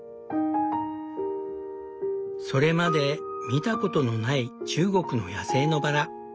それまで見たことのない中国の野生のバラ。